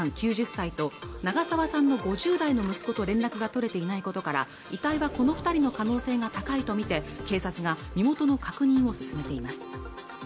９０歳と長澤さんの５０代の息子と連絡が取れていないことから遺体はこの二人の可能性が高いとみて警察が身元の確認を進めています